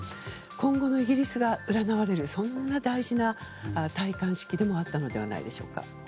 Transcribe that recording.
今後のイギリスが占われるそんな大事な戴冠式でもあったのではないでしょうか。